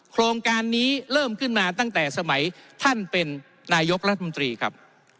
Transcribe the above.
โครงการนี้เริ่มขึ้นมาตั้งแต่สมัยท่านเป็นนายกรัฐมนตรีครับ